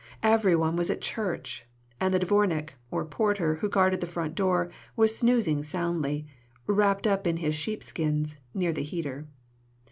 Every one was at church, and the dvornik, or porter who guarded the front door, was snoozing soundly, wrapped up in his sheep skins, near the heater.